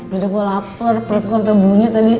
bila gue lapar perutku nanti bunyi tadi